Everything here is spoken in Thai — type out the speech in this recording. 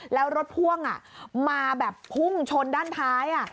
แล้วรถพ่วงมาแบบพุ่งชนด้านท้าย